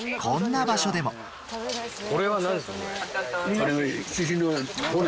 こんな場所でもこれは何ですか？